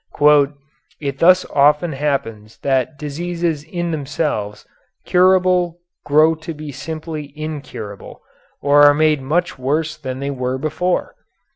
"It thus often happens that diseases in themselves curable grow to be simply incurable or are made much worse than they were before."